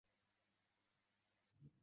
当时英属缅甸是英属印度之下的一省。